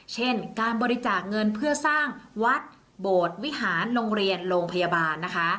เช่นการบริจาคเงินเพื่อสร้างวัดโบสถ์วิหารโรงเรียนโรงพยาบาลนะคะ